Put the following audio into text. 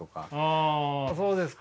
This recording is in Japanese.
あそうですか。